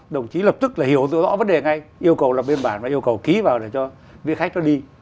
đồng chí lập tức hiểu rõ vấn đề ngay yêu cầu làm biên bản và yêu cầu ký vào để cho vị khách nó đi